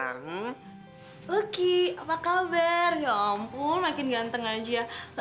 lucky apa kabar ya ampun makin ganteng aja